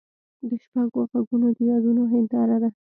د شپو ږغونه د یادونو هنداره ده.